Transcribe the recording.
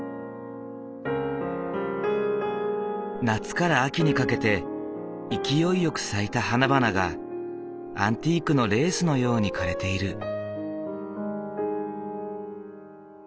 夏から秋にかけて勢いよく咲いた花々がアンティークのレースのように枯れている。